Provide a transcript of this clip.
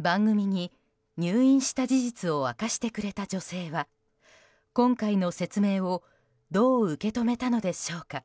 番組に入院した事実を明かしてくれた女性は今回の説明をどう受け止めたのでしょうか。